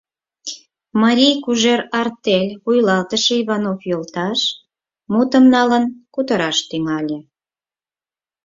Марий Кужер артель вуйлатыше Иванов йолташ мутым налын кутыраш тӱҥале: